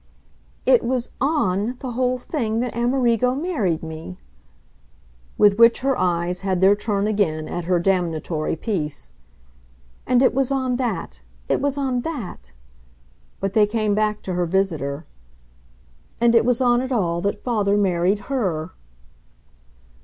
"It was ON the whole thing that Amerigo married me." With which her eyes had their turn again at her damnatory piece. "And it was on that it was on that!" But they came back to her visitor. "And it was on it all that father married HER."